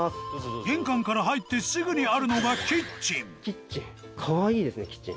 玄関から入ってすぐにあるのがキッチンキッチン。